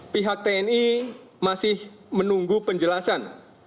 pihak tni masih menunggu penjelasan